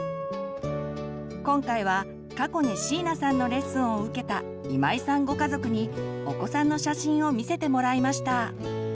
今回は過去に椎名さんのレッスンを受けた今井さんご家族にお子さんの写真を見せてもらいました。